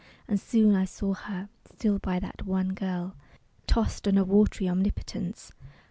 And soon I saw her, still by that wan girl, Tossed on a watery omnipotence.